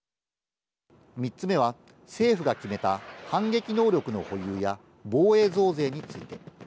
３つ目は政府が決めた反撃能力の保有や防衛増税について。